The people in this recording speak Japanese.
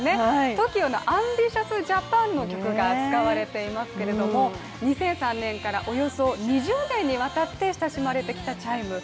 ＴＯＫＩＯの「ＡＭＢＩＴＩＯＵＳＪＡＰＡＮ！」の曲が使われていますけれども２００３年からおよそ２０年にわたって親しまれてきたチャイム。